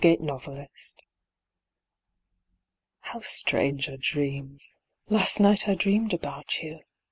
ONLY IN DREAMS How strange are dreams. Last night I dreamed about you.